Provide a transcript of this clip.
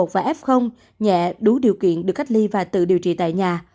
và f nhẹ đủ điều kiện được cách ly và tự điều trị tại nhà